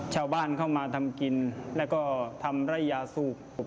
ชาวบ้านเข้ามาทำกินแล้วก็ทำไร่ยาสูบ